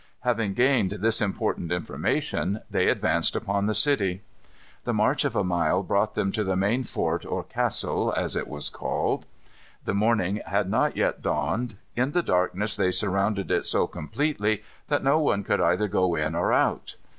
Having gained this important information, they advanced upon the city. The march of a mile brought them to the main fort, or Castle, as it was called. The morning had not yet dawned. In the darkness they surrounded it so completely that no one could either go in or out.